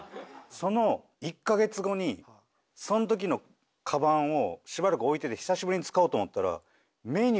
その１カ月後にそんときのかばんをしばらく置いてて久しぶりに使おうと思ったら。